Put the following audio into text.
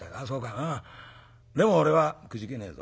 でも俺はくじけねえぞ。